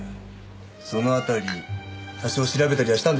その辺り多少調べたりはしたんでしょう？